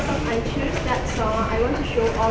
ต้องเปลี่ยนไว้ว่าด้วยความชื่นกัน